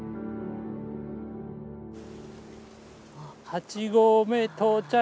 ８合目到着。